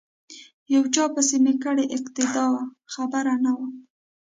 یو چا پسی می کړې اقتدا وه خبر نه وم